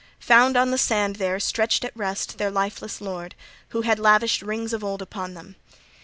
Found on the sand there, stretched at rest, their lifeless lord, who had lavished rings of old upon them.